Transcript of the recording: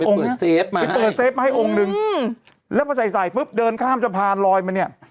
บอกให้ปืนเซฟมาให้ปืนเซฟมาให้องค์นึงอืมแล้วก็ใส่ใส่ปุ๊บเดินข้ามจะพานลอยมันเนี่ย